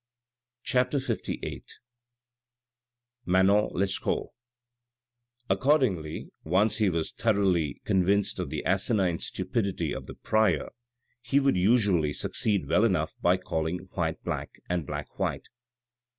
CHAPTER LVIII MANON LESCAUT Accordingly once he was thoroughly convinced of the asinine stupidity of the prior, he would usually succeed well enough by calling white black, and black white.